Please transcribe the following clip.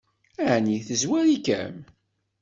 Ɛni tezwar-ikem?